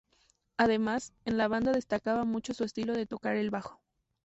Además, en la banda destacaba mucho su estilo de tocar el bajo.